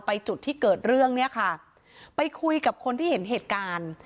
จุดที่เกิดเรื่องเนี่ยค่ะไปคุยกับคนที่เห็นเหตุการณ์